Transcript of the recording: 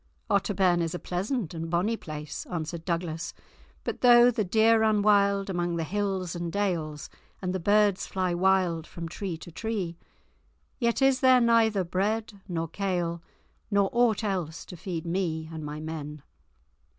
"Otterbourne is a pleasant and a bonny place," answered Douglas; "but though the deer run wild among the hills and dales, and the birds fly wild from tree to tree, yet is there neither bread nor kale nor aught else to feed me and my men.